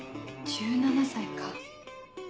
１７歳か。